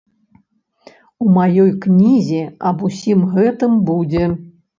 У маёй кнізе аб усім гэтым будзе.